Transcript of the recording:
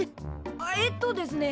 えっとですね。